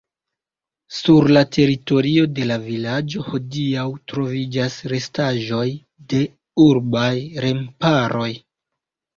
Sur la teritorio de la vilaĝo hodiaŭ troviĝas restaĵoj de urbaj remparoj.